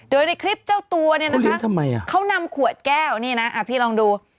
โดยในคลิปเจ้าตัวเนี่ยนะคะเขานำขวดแก้วนี่นะพี่ลองดู